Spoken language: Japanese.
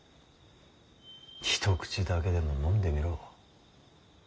一口だけでも飲んでみろ。